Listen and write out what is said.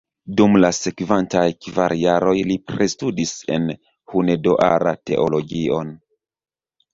Dum la sekvantaj kvar jaroj li pristudis en Hunedoara teologion.